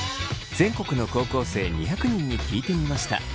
全国の高校生２００人に聞いてみました。